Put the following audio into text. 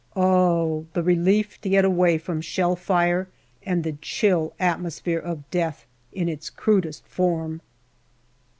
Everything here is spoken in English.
. Oh ! the relief to get away from shell fire and the chill atmosphere of death in its crudest form.